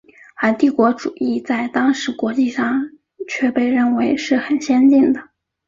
而帝国主义在当时国际上却被认为是很先进的。